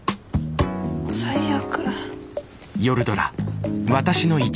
最悪。